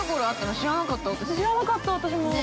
◆知らなかった私も。